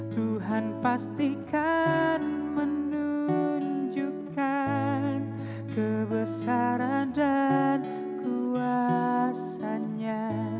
tuhan pastikan menunjukkan kebesaran dan kuasanya